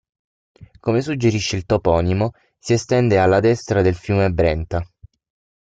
Come suggerisce il toponimo, si estende alla destra del fiume Brenta.